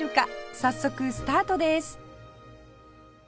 早速スタートです